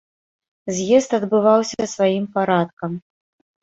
З'езд адбываўся сваім парадкам.